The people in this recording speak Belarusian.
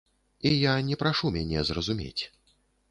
І я не прашу мяне зразумець.